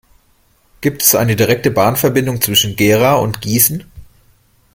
Gibt es eine direkte Bahnverbindung zwischen Gera und Gießen?